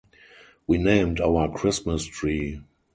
We named our Christmas tree.